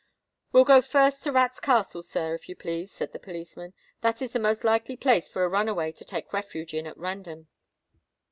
"We'll go first to Rats' Castle, sir, if you please," said the policeman: "that is the most likely place for a run away to take refuge in at random."